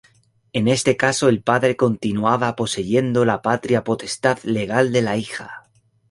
En este caso el padre continuaba poseyendo la patria potestad legal de la hija.